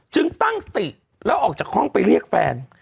ตั้งสติแล้วออกจากห้องไปเรียกแฟน